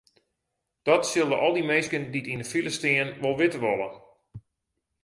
Dat sille al dy minsken dy't yn de file stean wol witte wolle.